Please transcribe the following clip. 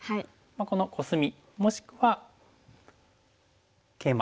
このコスミもしくはケイマ。